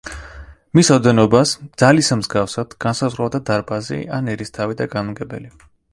მის ოდენობას „ძალისა მსგავსად“ განსაზღვრავდა დარბაზი ან ერისთავი და განმგებელი.